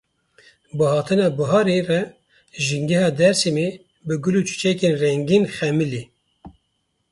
Bi hatina biharê re jîngeha Dêrsimê bi gul û çîçekên rengîn xemilî.